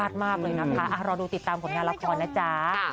มากเลยนะคะรอดูติดตามผลงานละครนะจ๊ะ